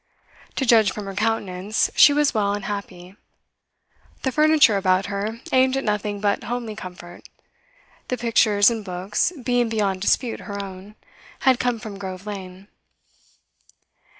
To judge from her countenance, she was well and happy. The furniture about her aimed at nothing but homely comfort; the pictures and books, being beyond dispute her own, had come from Grove Lane.